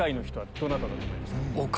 どなただと思いますか？